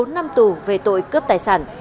bốn năm tù về tội cướp tài sản